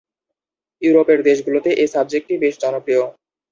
ইউরোপের দেশগুলোতে এ সাবজেক্টটি বেশ জনপ্রিয়।